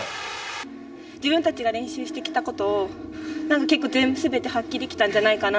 自分たちが練習してきたことを結構、すべて発揮できたんじゃないかな。